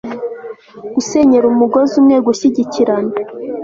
gusenyera umugozi umwe gushyigikirana